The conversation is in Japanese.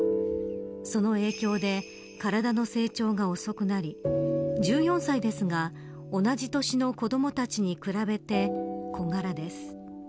その影響で体の成長が遅くなり１４歳ですが同じ年の子どもたちに比べて小柄です。